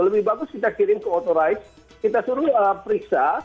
lebih bagus kita kirim ke authoride kita suruh periksa